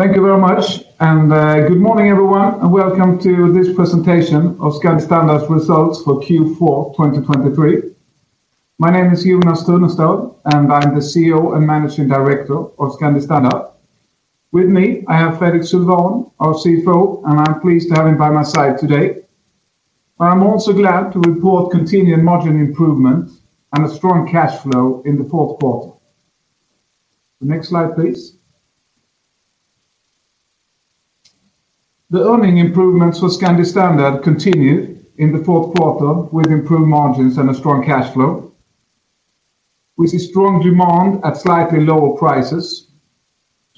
Thank you very much, and good morning, everyone, and welcome to this presentation of Scandi Standard's results for Q4 2023. My name is Jonas Tunestål, and I'm the CEO and Managing Director of Scandi Standard. With me I have Fredrik Sylwan, our CFO, and I'm pleased to have him by my side today. I'm also glad to report continued margin improvement and a strong cash flow in the fourth quarter. Next slide, please. The earnings improvements for Scandi Standard continued in the fourth quarter with improved margins and a strong cash flow. We see strong demand at slightly lower prices.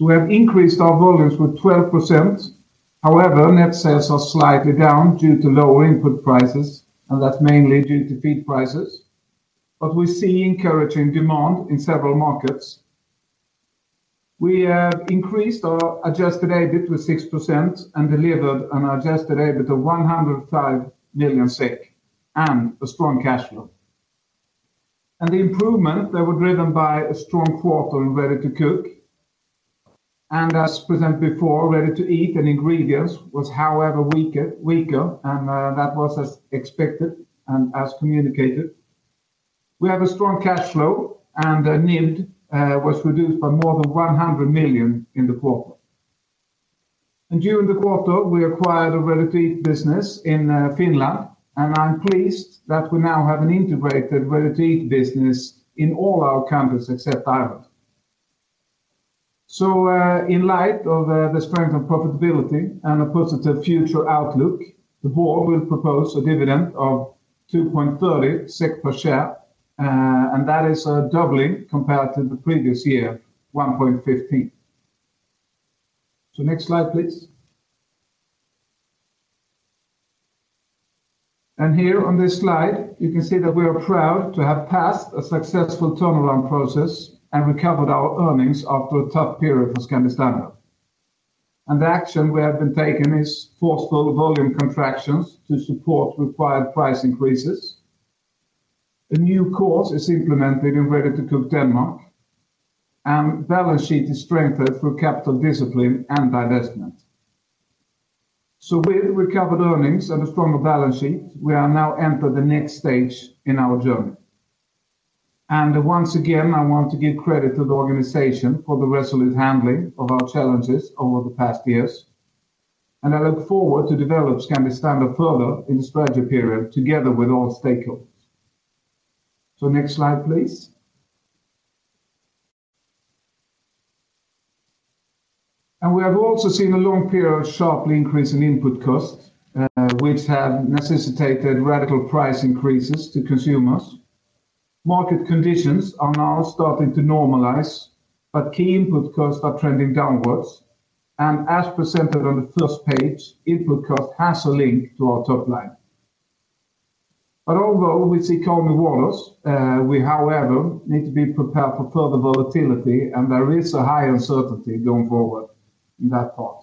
We have increased our volumes with 12%; however, net sales are slightly down due to lower input prices, and that's mainly due to feed prices, but we see encouraging demand in several markets. We have increased our adjusted EBIT with 6% and delivered an adjusted EBIT of 105 million SEK and a strong cash flow. The improvement they were driven by a strong quarter and Ready-to-cook, and as presented before, Ready-to-eat, and ingredients was, however, weaker and that was as expected and as communicated. We have a strong cash flow, and NIBD was reduced by more than 100 million in the quarter. During the quarter we acquired a Ready-to-eat business in Finland, and I'm pleased that we now have an integrated Ready-to-eat business in all our countries except Ireland. In light of the strength of profitability and a positive future outlook, the Board will propose a dividend of 2.30 SEK per share, and that is doubling compared to the previous year, 1.15. Next slide, please. Here on this slide you can see that we are proud to have passed a successful turnaround process and recovered our earnings after a tough period for Scandi Standard. The action we have been taking is forceful volume contractions to support required price increases. A new course is implemented in Ready-to-cook Denmark, and balance sheet is strengthened through capital discipline and divestment. With recovered earnings and a stronger balance sheet we are now entered the next stage in our journey. Once again I want to give credit to the organization for the resolute handling of our challenges over the past years, and I look forward to developing Scandi Standard further in the strategy period together with all stakeholders. Next slide, please. We have also seen a long period of sharply increasing input costs, which have necessitated radical price increases to consumers. Market conditions are now starting to normalize, but key input costs are trending downwards, and as presented on the first page, input cost has a link to our top line. Although we see calming waters, we, however, need to be prepared for further volatility, and there is a high uncertainty going forward in that part.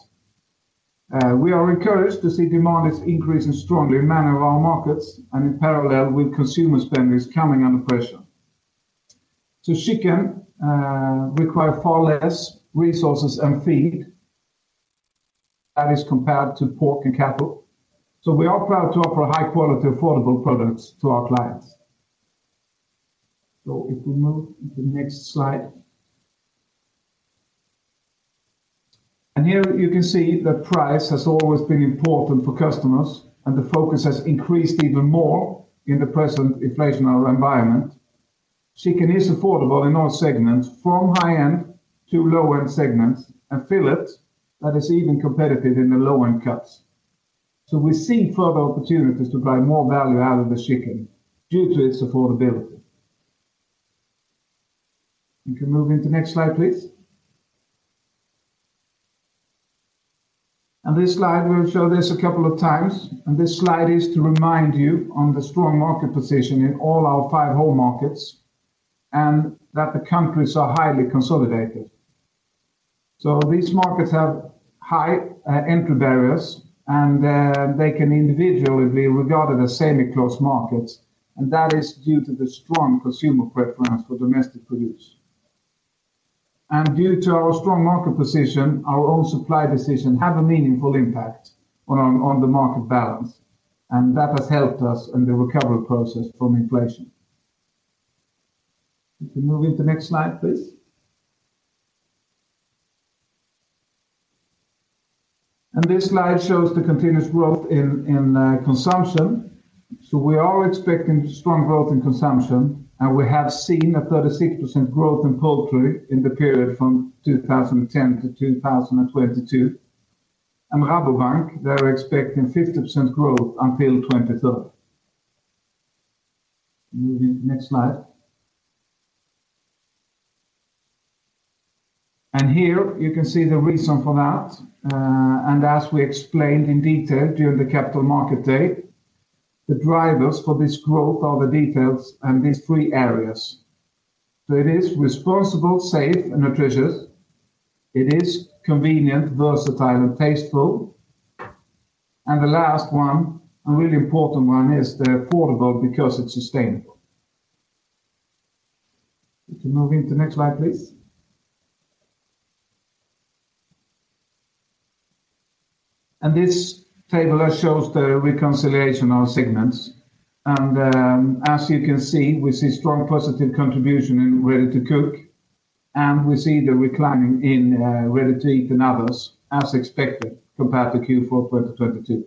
We are encouraged to see demand is increasing strongly in many of our markets, and in parallel with consumer spending is coming under pressure. So chicken requires far less resources and feed than is compared to pork and cattle, so we are proud to offer high-quality, affordable products to our clients. So if we move to the next slide. Here you can see that price has always been important for customers, and the focus has increased even more in the present inflationary environment. Chicken is affordable in all segments, from high-end to low-end segments, and fillets that is even competitive in the low-end cuts. So we see further opportunities to drive more value out of the chicken due to its affordability. You can move into the next slide, please. This slide we'll show this a couple of times, and this slide is to remind you of the strong market position in all our five whole markets and that the countries are highly consolidated. So these markets have high entry barriers, and they can individually be regarded as semi-closed markets, and that is due to the strong consumer preference for domestic produce. Due to our strong market position, our own supply decisions have a meaningful impact on the market balance, and that has helped us in the recovery process from inflation. You can move into the next slide, please. This slide shows the continuous growth in consumption. We are expecting strong growth in consumption, and we have seen a 36% growth in poultry in the period from 2010 to 2022. Rabobank, they're expecting 50% growth until 2030. Moving to the next slide. Here you can see the reason for that, and as we explained in detail during the Capital Market Day, the drivers for this growth are the details and these three areas. It is responsible, safe, and nutritious. It is convenient, versatile, and tasteful. The last one, a really important one, is affordable because it's sustainable. You can move into the next slide, please. This table shows the reconciliation of segments, and as you can see, we see strong positive contribution in Ready-to-cook, and we see the declining in Ready-to-eat and others as expected compared to Q4 2022.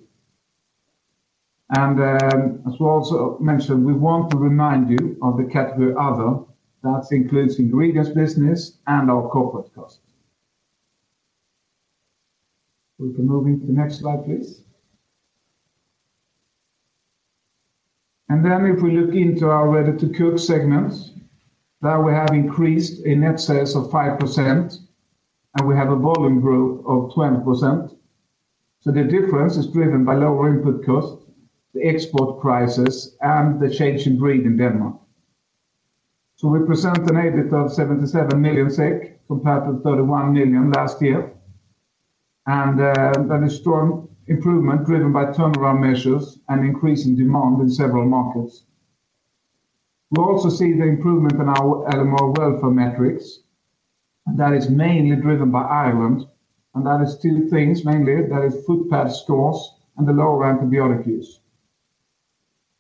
As we also mentioned, we want to remind you of the category other. That includes ingredients business and our corporate costs. We can move into the next slide, please. If we look into our Ready-to-cook segments, there we have increased a net sales of 5%, and we have a volume growth of 12%. So the difference is driven by lower input costs, the export prices, and the change in breed in Denmark. So we present an EBIT of 77 million SEK compared to 31 million last year, and that is strong improvement driven by turnaround measures and increasing demand in several markets. We also see the improvement in our animal welfare metrics, and that is mainly driven by Ireland, and that is two things, mainly, that is footpad scores and the lower antibiotic use.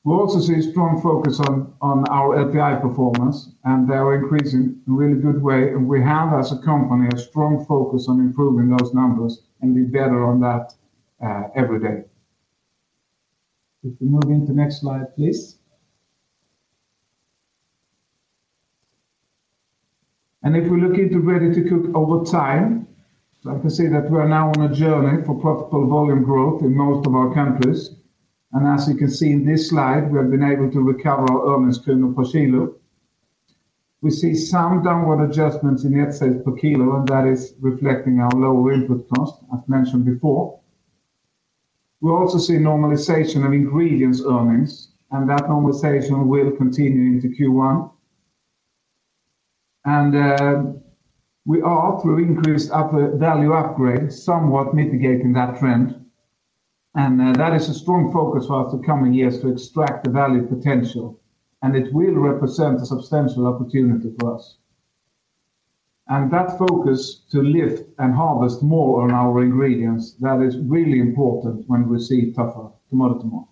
We also see a strong focus on our LPI performance, and they are increasing in a really good way, and we have as a company a strong focus on improving those numbers and be better on that, every day. If we move into the next slide, please. If we look into Ready-to-cook over time, so I can see that we are now on a journey for profitable volume growth in most of our countries, and as you can see in this slide we have been able to recover our earnings per kilo. We see some downward adjustments in net sales per kilo, and that is reflecting our lower input costs, as mentioned before. We also see normalization of ingredients earnings, and that normalization will continue into Q1. We are, through increased upper value upgrade, somewhat mitigating that trend, and that is a strong focus for us the coming years to extract the value potential, and it will represent a substantial opportunity for us. That focus to lift and harvest more on our ingredients, that is really important when we see tougher tomorrow tomorrow.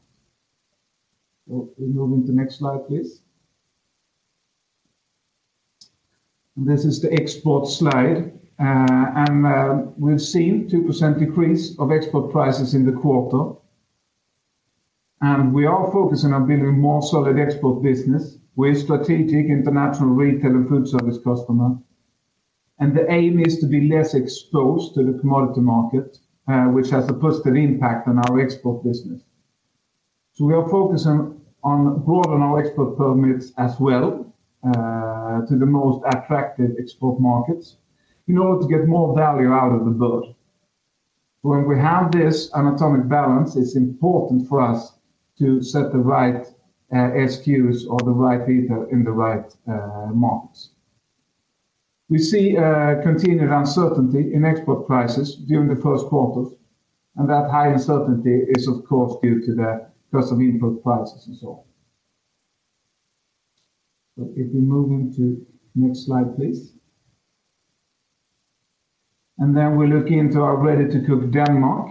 We move into the next slide, please. This is the export slide, and we've seen a 2% decrease of export prices in the quarter. We are focusing on building more solid export business. We're a strategic international retail and food service customer, and the aim is to be less exposed to the commodity market, which has a positive impact on our export business. So we are focusing on broadening our export permits as well, to the most attractive export markets in order to get more value out of the bird. So when we have this anatomic balance, it's important for us to set the right SKUs or the right ETA in the right markets. We see continued uncertainty in export prices during the first quarters, and that high uncertainty is, of course, due to the cost of input prices and so on. So if we move into the next slide, please. And then we look into our Ready-to-cook Denmark,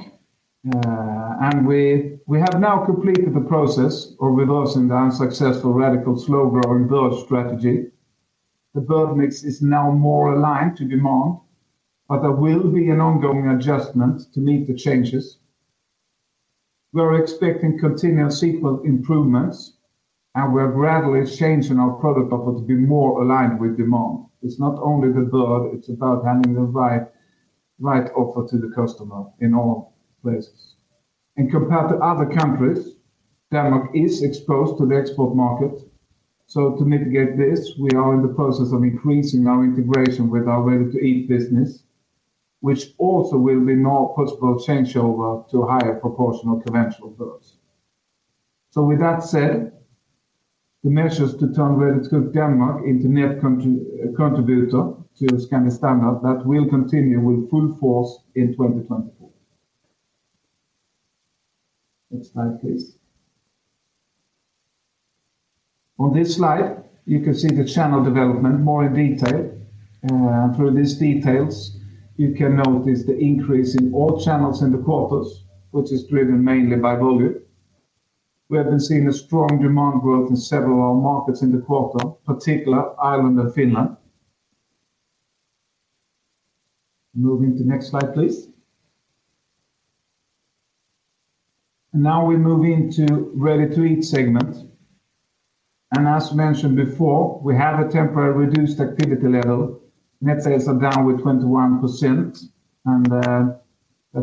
and we have now completed the process of reversing the unsuccessful radical slow-growing bird strategy. The bird mix is now more aligned to demand, but there will be an ongoing adjustment to meet the changes. We are expecting continual sequential improvements, and we are gradually changing our product offer to be more aligned with demand. It's not only the bird, it's about handling the right, right offer to the customer in all places. Compared to other countries, Denmark is exposed to the export market, so to mitigate this we are in the process of increasing our integration with our Ready-to-eat business, which also will be now a possible changeover to higher proportional conventional birds. So with that said, the measures to turn Ready-to-cook Denmark into a net contributor to Scandi Standard that will continue with full force in 2024. Next slide, please. On this slide you can see the channel development more in detail, and through these details you can notice the increase in all channels in the quarters, which is driven mainly by volume. We have been seeing a strong demand growth in several of our markets in the quarter, particularly Ireland and Finland. Move into the next slide, please. Now we move into Ready-to-eat segment, and as mentioned before we have a temporary reduced activity level. Net sales are down 21%, and that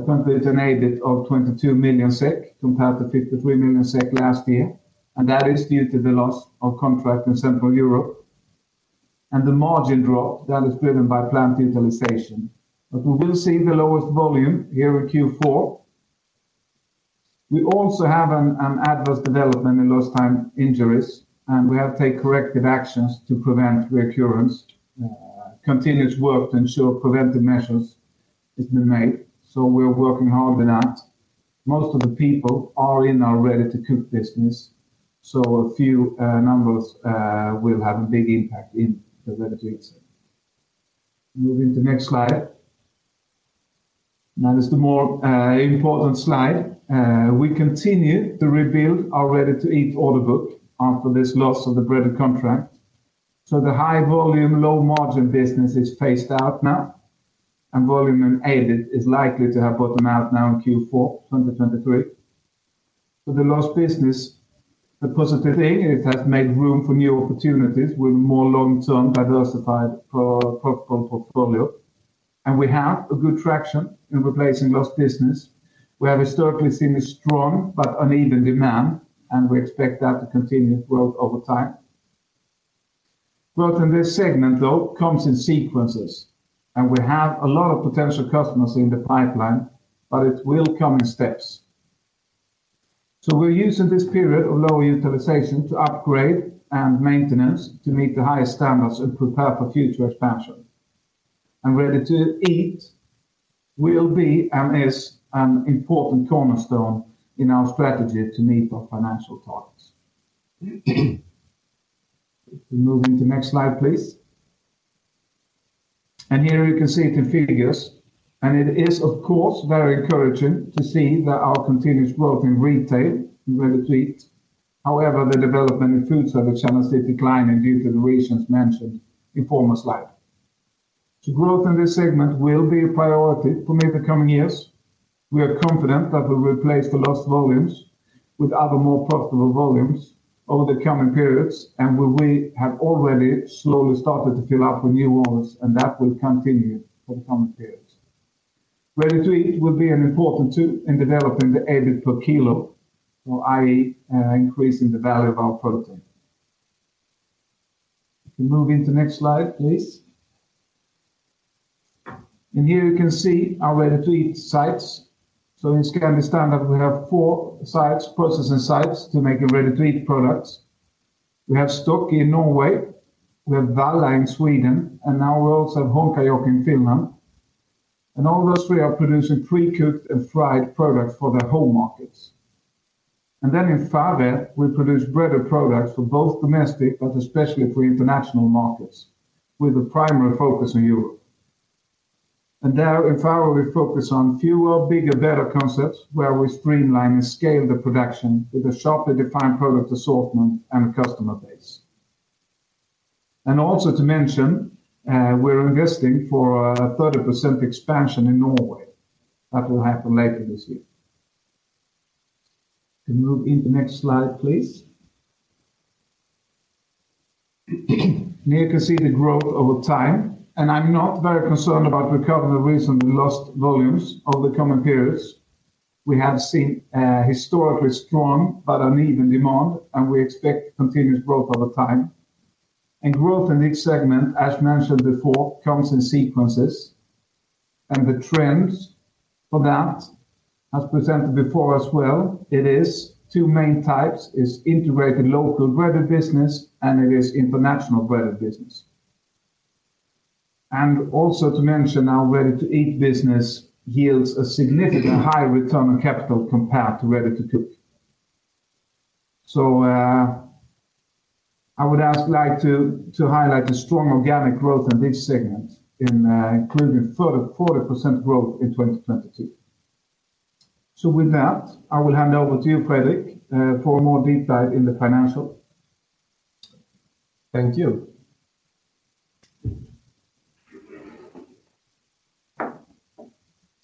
completes an EBIT of 22 million SEK compared to 53 million SEK last year, and that is due to the loss of contract in Central Europe. The margin drop, that is driven by plant utilization, but we will see the lowest volume here in Q4. We also have an adverse development in lost time injuries, and we have taken corrective actions to prevent reoccurrence. Continuous work to ensure preventive measures has been made, so we're working hard on that. Most of the people are in our Ready-to-cook business, so a few numbers will have a big impact in the Ready-to-eat segment. Move into the next slide. And that is the more important slide. We continue to rebuild our Ready-to-eat order book after this loss of the breaded contract. So the high-volume, low-margin business is phased out now, and volume in EBIT is likely to have bottomed out now in Q4 2023. So the lost business, the positive thing is it has made room for new opportunities with a more long-term diversified profitable portfolio, and we have a good traction in replacing lost business. We have historically seen a strong but uneven demand, and we expect that to continue to grow over time. Growth in this segment, though, comes in sequences, and we have a lot of potential customers in the pipeline, but it will come in steps. So we're using this period of lower utilization to upgrade and maintenance to meet the highest standards and prepare for future expansion. Ready-to-eat will be and is an important cornerstone in our strategy to meet our financial targets. If we move into the next slide, please. And here you can see it in figures, and it is, of course, very encouraging to see that our continuous growth in retail and Ready-to-eat; however, the development in food service channels is declining due to the reasons mentioned in the former slide. So growth in this segment will be a priority for me the coming years. We are confident that we'll replace the lost volumes with other more profitable volumes over the coming periods, and we will have already slowly started to fill up with new ones, and that will continue for the coming periods. Ready-to-eat will be an important tool in developing the EBIT per kilo, so i.e., increasing the value of our protein. If we move into the next slide, please. Here you can see our Ready-to-eat sites. In Scandi Standard we have four sites, processing sites to make Ready-to-eat products. We have Stokke in Norway. We have Valla in Sweden, and now we also have Honkajoki in Finland. All those three are producing pre-cooked and fried products for their whole markets. Then in Fårevejle, we produce breaded products for both domestic but especially for international markets with a primary focus on Europe. There in Fårevejle we focus on fewer, bigger, better concepts where we streamline and scale the production with a sharply defined product assortment and a customer base. Also to mention, we're investing for a 30% expansion in Norway that will happen later this year. If we move into the next slide, please. Here you can see the growth over time, and I'm not very concerned about recovering the recently lost volumes over the coming periods. We have seen historically strong but uneven demand, and we expect continuous growth over time. Growth in this segment, as mentioned before, comes in sequences, and the trend for that has presented before us well. It is two main types. It's integrated local breaded business, and it is international breaded business. Also, to mention, our Ready-to-eat business yields a significantly higher return on capital compared to Ready-to-cook. So, I would like to highlight the strong organic growth in this segment, including 40% growth in 2022. So with that, I will hand over to you, Fredrik, for a more deep dive in the financials. Thank you.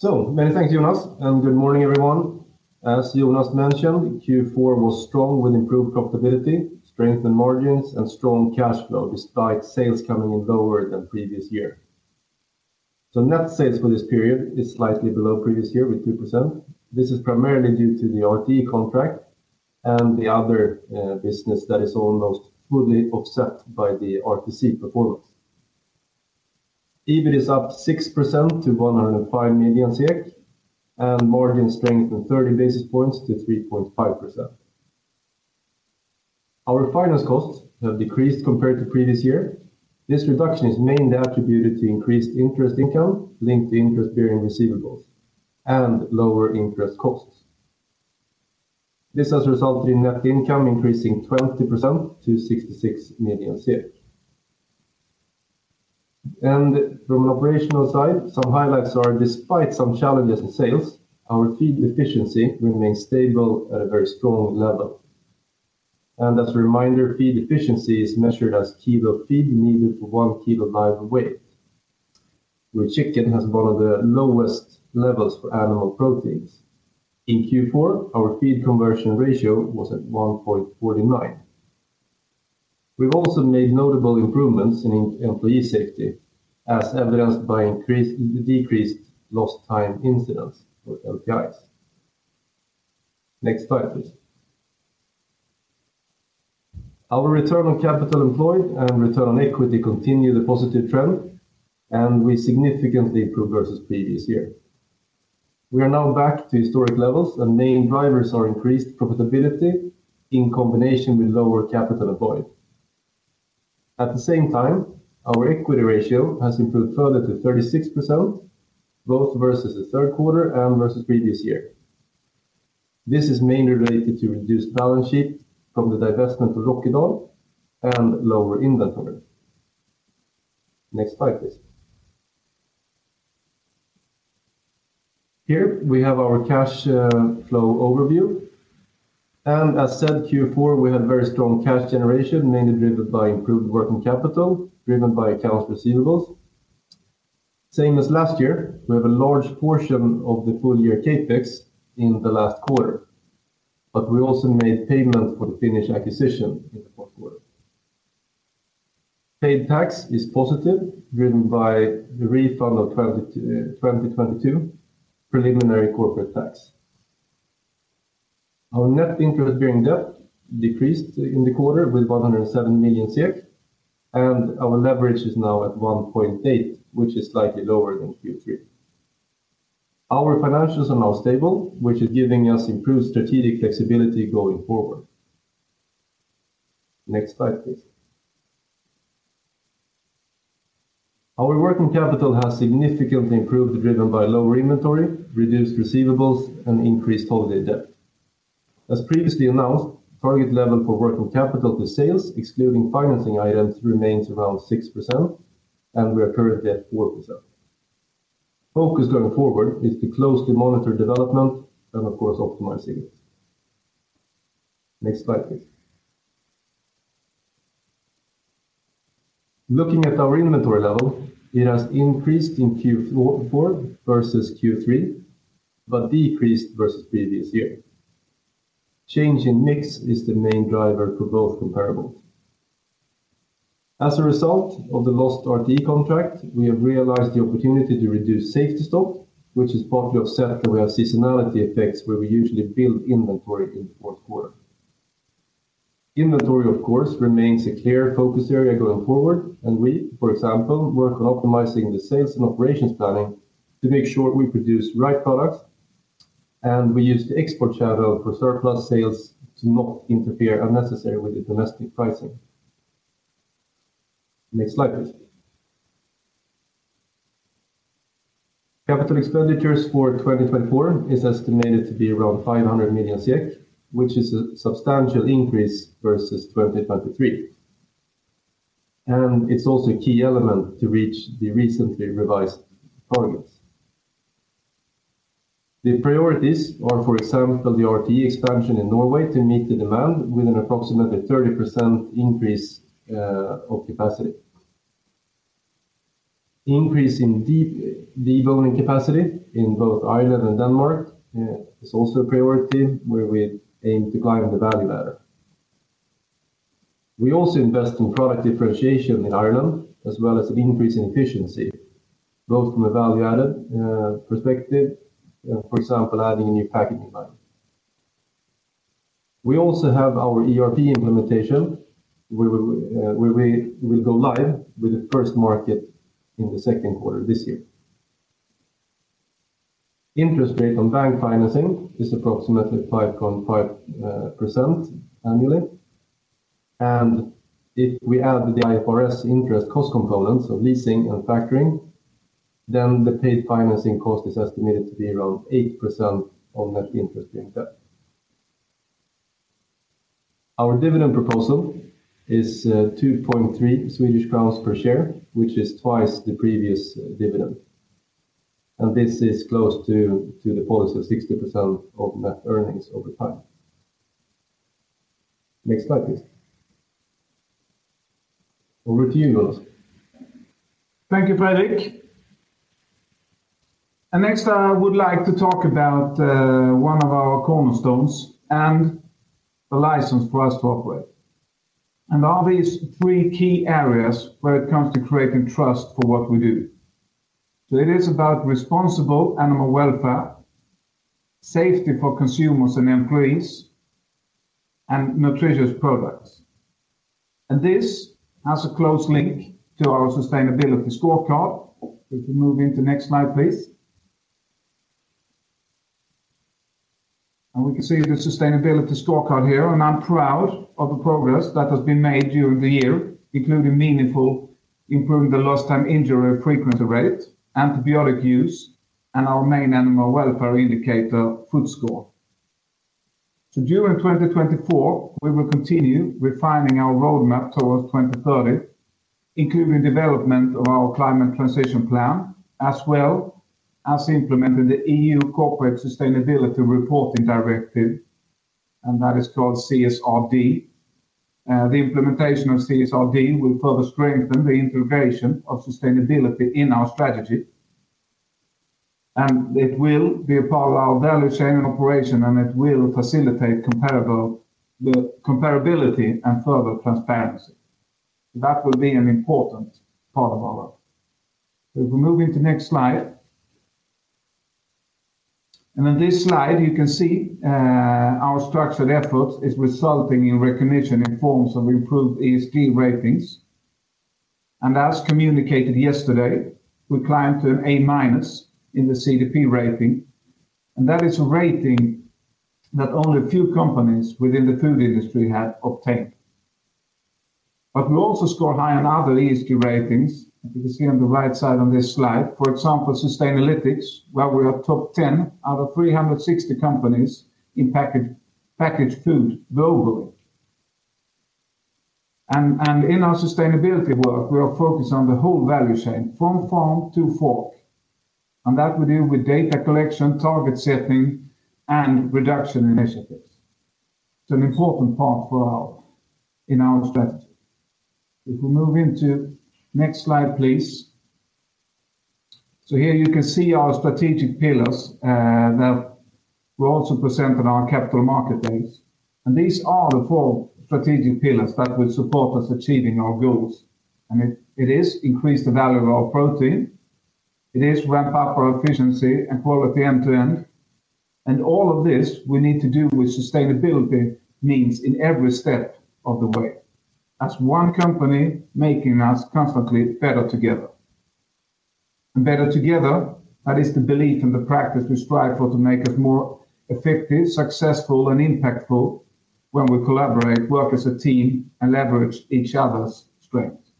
So many thanks, Jonas, and good morning, everyone. As Jonas mentioned, Q4 was strong with improved profitability, strengthened margins, and strong cash flow despite sales coming in lower than previous year. Net sales for this period is slightly below previous year with 2%. This is primarily due to the RTE contract and the other business that is almost fully offset by the RTC performance. EBIT is up 6% to 105 million, and margin strengthened 30 basis points to 3.5%. Our finance costs have decreased compared to previous year. This reduction is mainly attributed to increased interest income linked to interest-bearing receivables and lower interest costs. This has resulted in net income increasing 20% to 66 million. From an operational side, some highlights are despite some challenges in sales, our feed efficiency remains stable at a very strong level. As a reminder, feed efficiency is measured as kilo feed needed for one kilo live weight, where chicken has one of the lowest levels for animal proteins. In Q4, our feed conversion ratio was at 1.49x. We've also made notable improvements in employee safety, as evidenced by decreased lost time incidents or LTIs. Next slide, please. Our return on capital employed and return on equity continue the positive trend, and we significantly improved versus previous year. We are now back to historic levels, and main drivers are increased profitability in combination with lower capital employed. At the same time, our equity ratio has improved further to 36%, both versus the third quarter and versus previous year. This is mainly related to reduced balance sheet from the divestment of Rokkedahl and lower inventory. Next slide, please. Here we have our cash flow overview. As said, Q4 we had very strong cash generation, mainly driven by improved working capital, driven by accounts receivables. Same as last year, we have a large portion of the full-year CapEx in the last quarter, but we also made payment for the finished acquisition in the fourth quarter. Paid tax is positive, driven by the refund of 2022 preliminary corporate tax. Our net interest-bearing debt decreased in the quarter with 107 million, and our leverage is now at 1.8x, which is slightly lower than Q3. Our financials are now stable, which is giving us improved strategic flexibility going forward. Next slide, please. Our working capital has significantly improved, driven by lower inventory, reduced receivables, and increased payables. As previously announced, target level for working capital to sales, excluding financing items, remains around 6%, and we are currently at 4%. Focus going forward is to closely monitor development and, of course, optimizing it. Next slide, please. Looking at our inventory level, it has increased in Q4 versus Q3 but decreased versus previous year. Change in mix is the main driver for both comparables. As a result of the lost RTE contract, we have realized the opportunity to reduce safety stock, which is partly offset that we have seasonality effects where we usually build inventory in the fourth quarter. Inventory, of course, remains a clear focus area going forward, and we, for example, work on optimizing the sales and operations planning to make sure we produce right products, and we use the export channel for surplus sales to not interfere unnecessarily with the domestic pricing. Next slide, please. Capital expenditures for 2024 is estimated to be around 500 million, which is a substantial increase versus 2023. It's also a key element to reach the recently revised targets. The priorities are, for example, the RTE expansion in Norway to meet the demand with an approximately 30% increase of capacity. Increase in deep deboning capacity in both Ireland and Denmark is also a priority where we aim to climb the value ladder. We also invest in product differentiation in Ireland as well as an increase in efficiency, both from a value-added perspective, for example, adding a new packaging line. We also have our ERP implementation where we will go live with the first market in the second quarter this year. Interest rate on bank financing is approximately 5.5% annually. If we add the IFRS interest cost components of leasing and factoring, then the paid financing cost is estimated to be around 8% of net interest-bearing debt. Our dividend proposal is 2.3 Swedish crowns per share, which is twice the previous dividend. This is close to the policy of 60% of net earnings over time. Next slide, please. Over to you, Jonas. Thank you, Fredrik. Next, I would like to talk about one of our cornerstones and the license for us to operate. There are these three key areas where it comes to creating trust for what we do. It is about responsible animal welfare, safety for consumers and employees, and nutritious products. This has a close link to our sustainability scorecard. If we move into the next slide, please. We can see the sustainability scorecard here, and I'm proud of the progress that has been made during the year, including meaningful improvement in Lost Time Injury Frequency Rate, antibiotic use, and our main animal welfare indicator, Footpad Score. So during 2024, we will continue refining our roadmap towards 2030, including development of our climate transition plan as well as implementing the EU Corporate Sustainability Reporting Directive, and that is called CSRD. The implementation of CSRD will further strengthen the integration of sustainability in our strategy, and it will be a part of our value chain and operation, and it will facilitate comparability and further transparency. That will be an important part of our work. If we move into the next slide. On this slide, you can see, our structured effort is resulting in recognition in forms of improved ESG ratings. As communicated yesterday, we climbed to an A- in the CDP rating, and that is a rating that only a few companies within the food industry had obtained. We also score high on other ESG ratings. You can see on the right side on this slide, for example, Sustainalytics, where we are top 10 out of 360 companies in packaged food globally. In our sustainability work, we are focused on the whole value chain, from farm to fork, and that we do with data collection, target setting, and reduction initiatives. It's an important part in our strategy. If we move into the next slide, please. Here you can see our strategic pillars that we're also presenting on our Capital Market Days. These are the four strategic pillars that will support us achieving our goals. It is increase the value of our protein. It is ramp up our efficiency and quality end to end. All of this we need to do with sustainability means in every step of the way. That's one company making us constantly better together. Better together, that is the belief and the practice we strive for to make us more effective, successful, and impactful when we collaborate, work as a team, and leverage each other's strengths.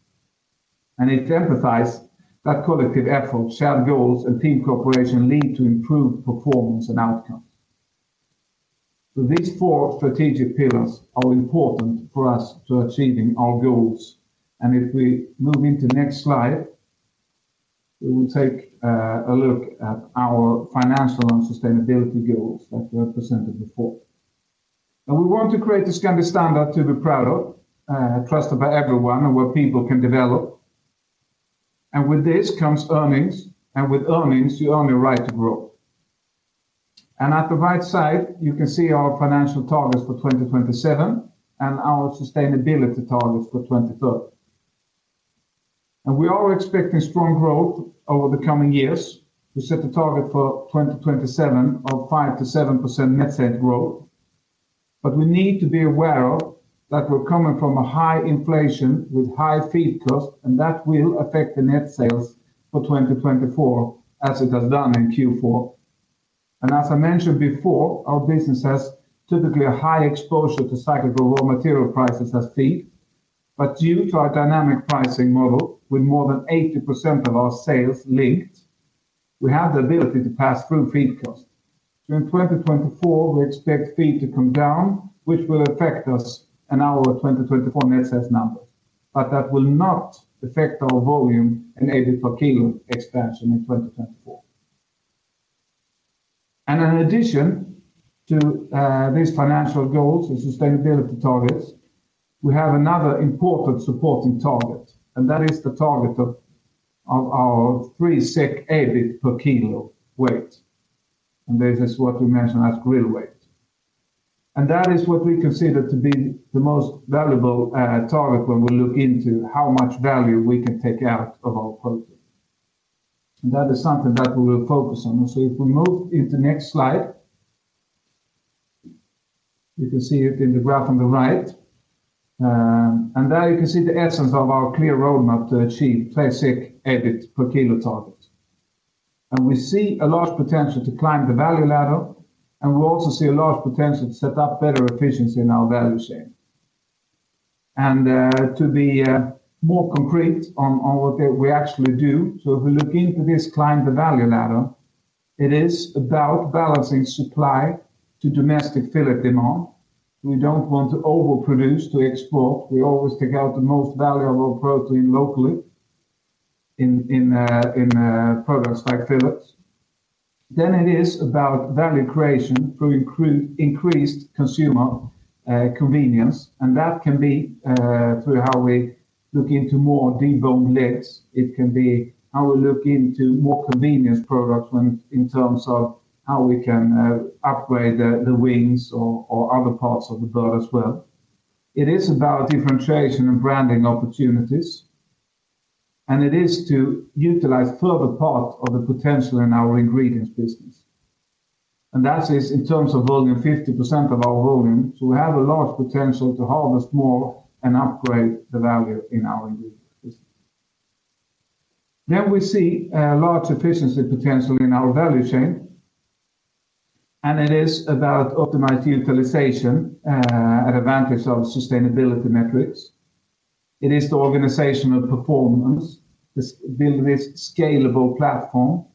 It emphasizes that collective effort, shared goals, and team cooperation lead to improved performance and outcomes. These four strategic pillars are important for us to achieving our goals. If we move into the next slide, we will take a look at our financial and sustainability goals that were presented before. We want to create a Scandi Standard to be proud of, trusted by everyone, and where people can develop. With this comes earnings, and with earnings, you earn your right to grow. At the right side, you can see our financial targets for 2027 and our sustainability targets for 2030. We are expecting strong growth over the coming years. We set a target for 2027 of 5%-7% net sales growth. But we need to be aware of that we're coming from a high inflation with high feed costs, and that will affect the net sales for 2024 as it has done in Q4. And as I mentioned before, our business has typically a high exposure to cyclical raw material prices as feed. But due to our dynamic pricing model with more than 80% of our sales linked, we have the ability to pass through feed costs. So in 2024, we expect feed to come down, which will affect us and our 2024 net sales numbers. But that will not affect our volume and EBIT per kilo expansion in 2024. In addition to these financial goals and sustainability targets, we have another important supporting target, and that is the target of our 3 SEK EBIT per kilo weight. This is what we mention as grill weight. That is what we consider to be the most valuable target when we look into how much value we can take out of our protein. That is something that we will focus on. So if we move into the next slide, you can see it in the graph on the right. There you can see the essence of our clear roadmap to achieve SEK 3 EBIT per kilo target. We see a large potential to climb the value ladder, and we also see a large potential to set up better efficiency in our value chain. To be more concrete on what we actually do, so if we look into this climb the value ladder, it is about balancing supply to domestic fillet demand. We don't want to overproduce to export. We always take out the most value of our protein locally in products like fillets. Then it is about value creation through increased consumer convenience. And that can be through how we look into more deboned legs. It can be how we look into more convenience products in terms of how we can upgrade the wings or other parts of the bird as well. It is about differentiation and branding opportunities. And it is to utilize further part of the potential in our ingredients business. And that is in terms of volume, 50% of our volume. So we have a large potential to harvest more and upgrade the value in our ingredients business. Then we see a large efficiency potential in our value chain. And it is about optimized utilization at advantage of sustainability metrics. It is the organizational performance, build this scalable platform,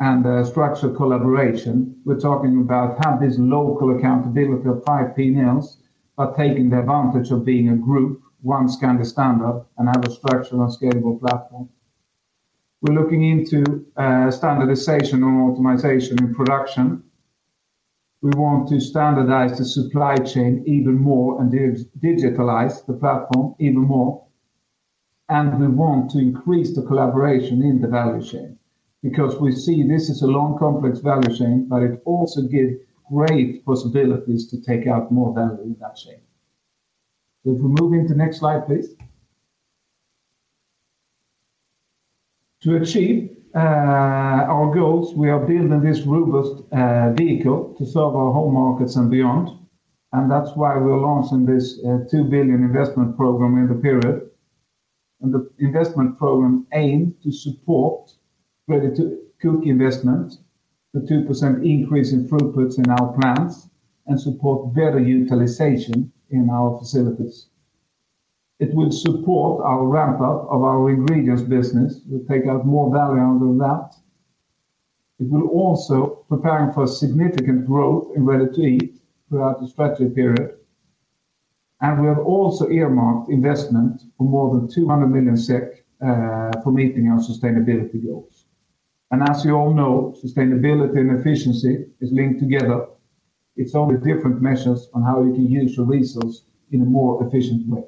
and structured collaboration. We're talking about have this local accountability of five P&Ls but taking the advantage of being a group, one Scandi Standard, and have a structured and scalable platform. We're looking into standardization and optimization in production. We want to standardize the supply chain even more and digitalize the platform even more. And we want to increase the collaboration in the value chain because we see this is a long, complex value chain, but it also gives great possibilities to take out more value in that chain. So if we move into the next slide, please. To achieve our goals, we are building this robust vehicle to serve our home markets and beyond. That's why we're launching this 2 billion investment program in the period. The investment program aims to support Ready-to-cook investment, the 2% increase in throughputs in our plants, and support better utilization in our facilities. It will support our ramp-up of our ingredients business. We'll take out more value out of that. It will also prepare for significant growth in Ready-to-eat throughout the strategy period. We have also earmarked investment for more than 200 million SEK for meeting our sustainability goals. As you all know, sustainability and efficiency is linked together. It's only different measures on how you can use your resource in a more efficient way.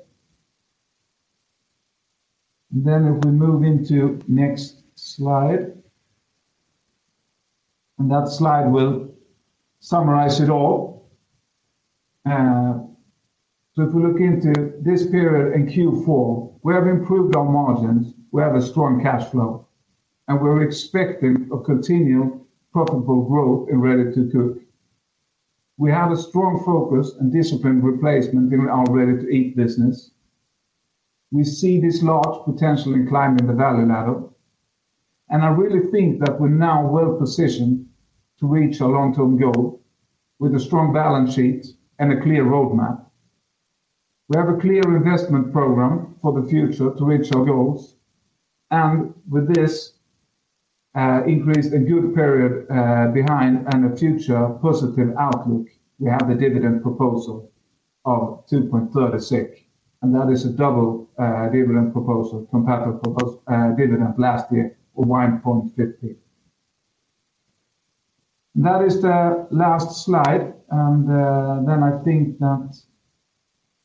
Then if we move into the next slide. That slide will summarize it all. So if we look into this period in Q4, we have improved our margins. We have a strong cash flow. We're expecting a continual profitable growth in Ready-to-cook. We have a strong focus and disciplined replacement in our Ready-to-eat business. We see this large potential in climbing the value ladder. I really think that we're now well positioned to reach our long-term goal with a strong balance sheet and a clear roadmap. We have a clear investment program for the future to reach our goals. With this increase and good period behind and a future positive outlook, we have the dividend proposal of 2.30. That is a double dividend proposal compared to the dividend last year of 1.50. That is the last slide. Then I think that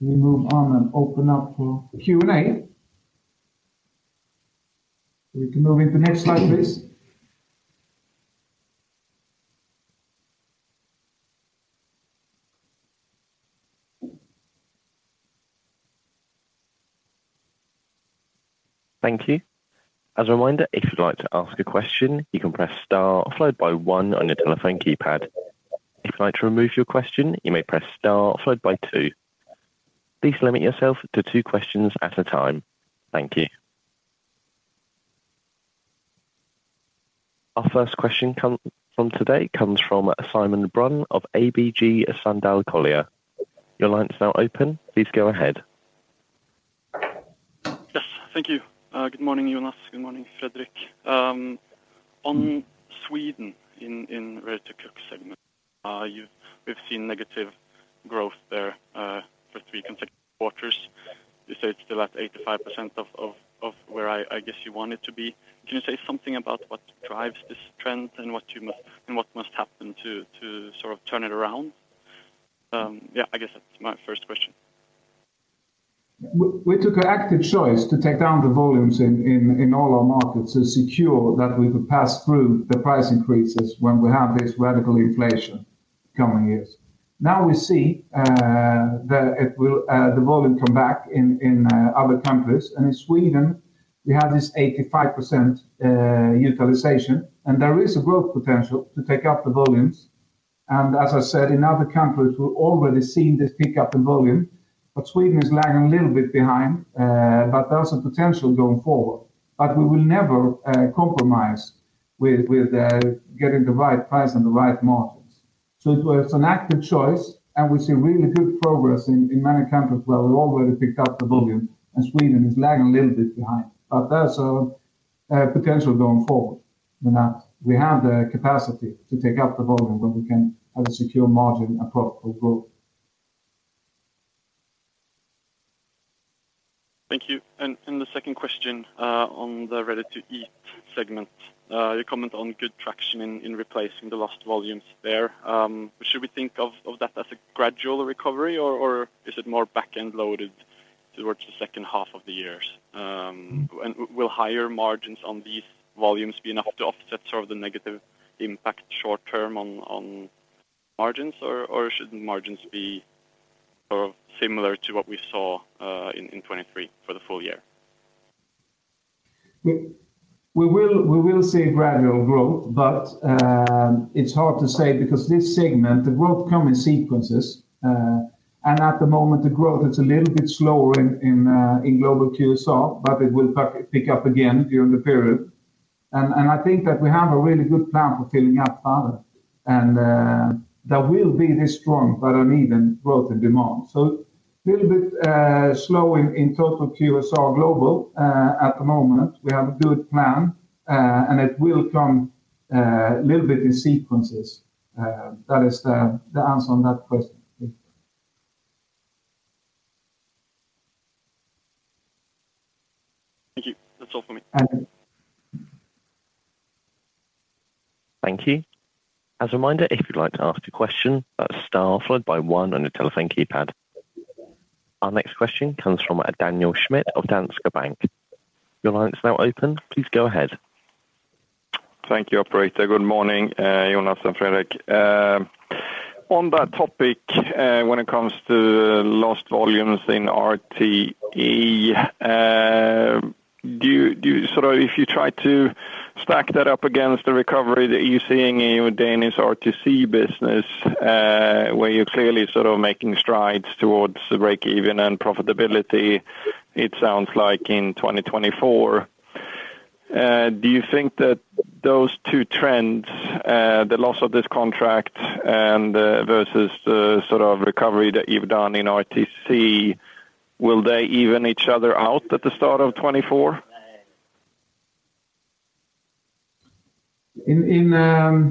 we move on and open up for Q&A. So we can move into the next slide, please. Thank you. As a reminder, if you'd like to ask a question, you can press star followed by one on your telephone keypad. If you'd like to remove your question, you may press star followed by two. Please limit yourself to two questions at a time. Thank you. Our first question from today comes from Simon Brun of ABG Sundal Collier. Your line is now open. Please go ahead. Yes. Thank you. Good morning, Jonas. Good morning, Fredrik. On Sweden in Ready-to-cook segment, we've seen negative growth there for three consecutive quarters. You say it's still at 85% of where I guess you want it to be. Can you say something about what drives this trend and what must happen to sort of turn it around? Yeah, I guess that's my first question. We took an active choice to take down the volumes in all our markets to secure that we could pass through the price increases when we have this radical inflation coming years. Now we see that the volume come back in other countries. In Sweden, we have this 85% utilization, and there is a growth potential to take up the volumes. As I said, in other countries, we've already seen this pickup in volume, but Sweden is lagging a little bit behind. There's a potential going forward. We will never compromise with getting the right price and the right margins. It was an active choice, and we see really good progress in many countries where we already picked up the volume, and Sweden is lagging a little bit behind. There's a potential going forward in that we have the capacity to take up the volume when we can have a secure margin and profitable growth. Thank you. The second question on the Ready-to-eat segment, your comment on good traction in replacing the lost volumes there. Should we think of that as a gradual recovery, or is it more back-end loaded towards the second half of the years? And will higher margins on these volumes be enough to offset sort of the negative impact short-term on margins, or should margins be similar to what we saw in 2023 for the full year? We will see gradual growth, but it's hard to say because this segment, the growth comes in sequences. At the moment, the growth is a little bit slower in global QSR, but it will pick up again during the period. I think that we have a really good plan for filling up further. There will be this strong but uneven growth in demand. So a little bit slow in total QSR global at the moment. We have a good plan, and it will come a little bit in sequences. That is the answer on that question. Thank you. That's all from me. Thank you. As a reminder, if you'd like to ask a question, that's star followed by one on your telephone keypad. Our next question comes from Daniel Schmidt of Danske Bank. Your line is now open. Please go ahead. Thank you, operator. Good morning, Jonas and Fredrik. On that topic, when it comes to lost volumes in RTE, sort of if you try to stack that up against the recovery that you're seeing in your Danish RTC business, where you're clearly sort of making strides towards break-even and profitability, it sounds like, in 2024, do you think that those two trends, the loss of this contract versus the sort of recovery that you've done in RTC, will they even each other out at the start of 2024? We will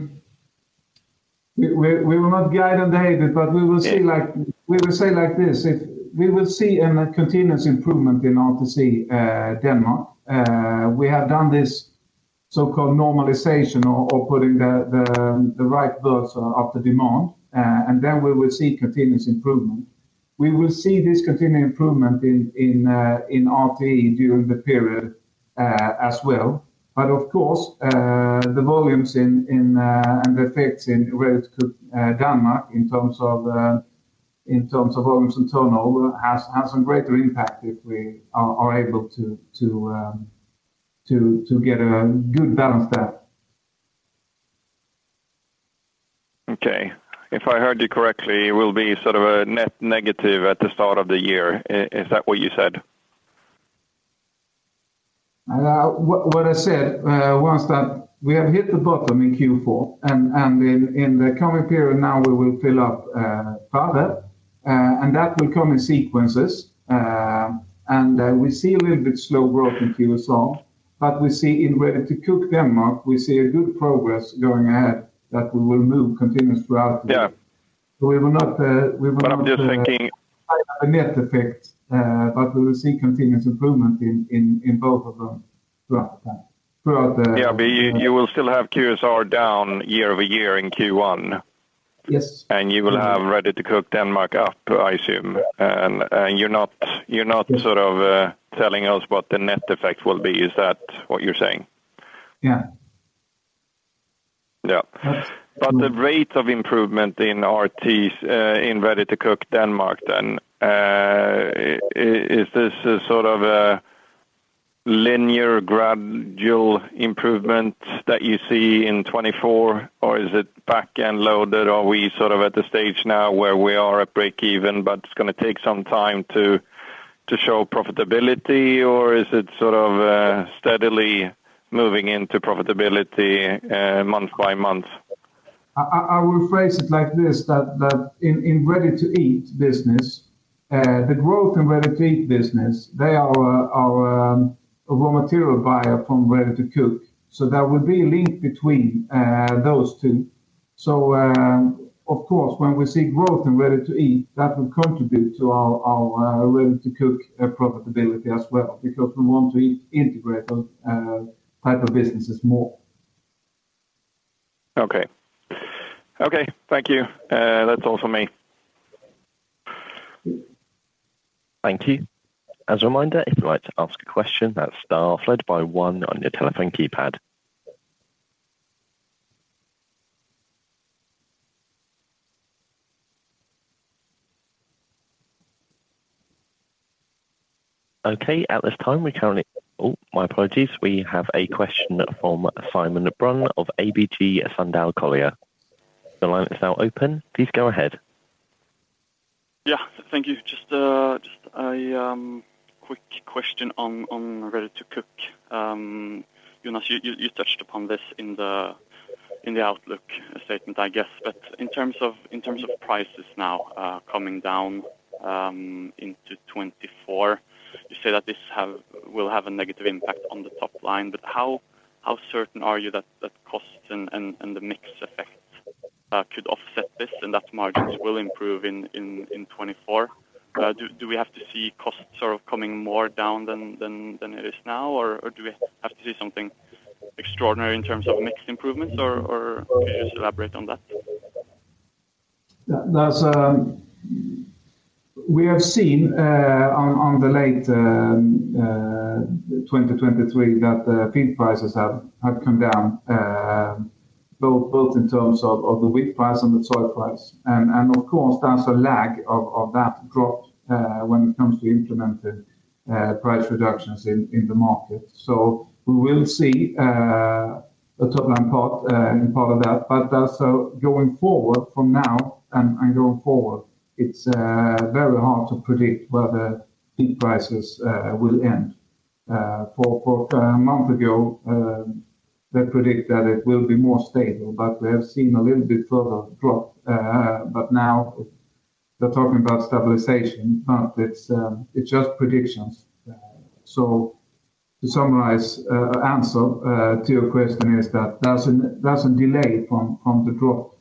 not guide and date it, but we will say we will say like this. We will see a continuous improvement in RTC Denmark. We have done this so-called normalization or putting the right words after demand, and then we will see continuous improvement. We will see this continuous improvement in RTE during the period as well. But of course, the volumes and the effects in Ready-to-cook Denmark in terms of volumes and turnover have some greater impact if we are able to get a good balance there. Okay. If I heard you correctly, it will be sort of a net negative at the start of the year. Is that what you said? What I said was that we have hit the bottom in Q4. In the coming period now, we will fill up further. That will come in sequences. We see a little bit slow growth in QSR. But we see in Ready-to-cook Denmark, we see a good progress going ahead that we will move continuous throughout the year. We will not. But I'm just thinking. Have a net effect, but we will see continuous improvement in both of them throughout the time. Yeah. But you will still have QSR down year-over-year in Q1. Yes. You will have Ready-to-cook Denmark up, I assume. You're not sort of telling us what the net effect will be. Is that what you're saying? Yeah. Yeah. But the rate of improvement in Ready-to-cook Denmark then, is this sort of a linear, gradual improvement that you see in 2024, or is it back-end loaded? Are we sort of at the stage now where we are at break-even but it's going to take some time to show profitability, or is it sort of steadily moving into profitability month by month? I will phrase it like this, that in Ready-to-eat business, the growth in Ready-to-eat business, they are a raw material buyer from Ready-to-cook. So there will be a link between those two. So of course, when we see growth in Ready-to-eat, that will contribute to our Ready-to-cook profitability as well because we want to integrate those type of businesses more. Okay. Okay. Thank you. That's all from me. Thank you. As a reminder, if you'd like to ask a question, that's star followed by one on your telephone keypad. Okay. At this time, my apologies. We have a question from Simon Brun of ABG Sundal Collier. Your line is now open. Please go ahead. Yeah. Thank you. Just a quick question on Ready-to-cook. Jonas, you touched upon this in the outlook statement, I guess. But in terms of prices now coming down into 2024, you say that this will have a negative impact on the top line. But how certain are you that costs and the mix effect could offset this and that margins will improve in 2024? Do we have to see costs sort of coming more down than it is now, or do we have to see something extraordinary in terms of mixed improvements, or could you just elaborate on that? We have seen in late 2023 that feed prices have come down, both in terms of the wheat price and the soy price. Of course, there's a lag of that drop when it comes to implementing price reductions in the market. We will see a top-line part in part of that. Going forward from now and going forward, it's very hard to predict where the feed prices will end. A month ago, they predicted that it will be more stable, but we have seen a little bit further drop. Now they're talking about stabilization, but it's just predictions. To summarize or answer to your question, is that there's a delay from the drop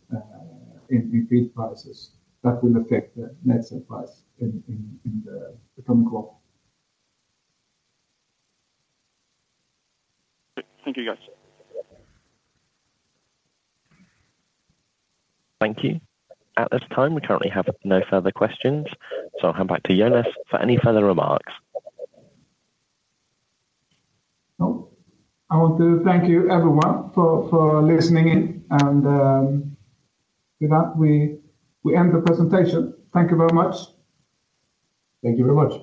in feed prices that will affect the net surprise in the corn crop. Thank you, guys. Thank you. At this time, we currently have no further questions. I'll hand back to Jonas for any further remarks. No. I want to thank you, everyone, for listening. With that, we end the presentation. Thank you very much. Thank you very much.